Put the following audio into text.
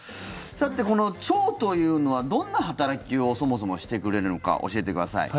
この腸というのはどんな働きをそもそもしてくれるのか教えてください。